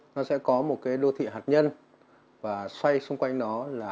nó sẽ có một cái đô thị hạt nhân và xoay xung quanh nó là